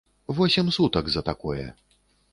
Восем сутак за такое.